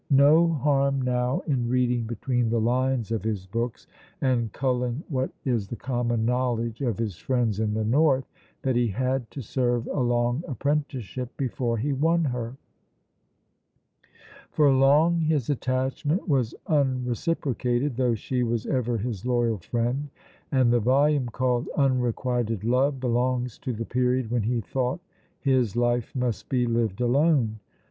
No harm now in reading between the lines of his books and culling what is the common knowledge of his friends in the north, that he had to serve a long apprenticeship before he won her. For long his attachment was unreciprocated, though she was ever his loyal friend, and the volume called 'Unrequited Love' belongs to the period when he thought his life must be lived alone.